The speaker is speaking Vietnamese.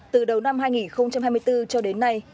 từ đầu năm hai nghìn hai mươi bốn cho đến nay